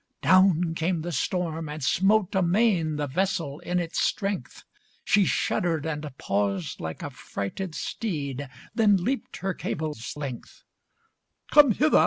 Down came the storm, and smote amain, The vessel in its strength; She shuddered and paused, like a frighted steed, Then leaped her cable's length, "Come hither!